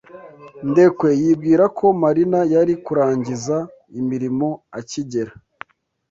Ndekwe yibwiraga ko Marina yari kurangiza imirimo akigera.